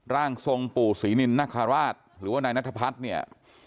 ร่างทรงปู่ศรีนินนคราชหรือว่านายนัทพัฒน์เนี่ย